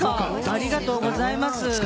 ありがとうございます。